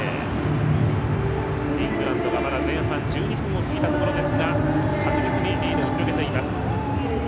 イングランドが、まだ前半１２分過ぎたところですが着実にリードを広げています。